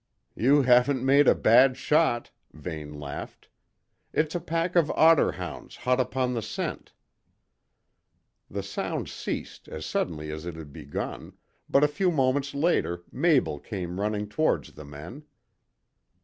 "You haven't made a bad shot," Vane laughed. "It's a pack of otter hounds hot upon the scent." The sound ceased as suddenly as it had begun, but a few moments later Mabel came running towards the men.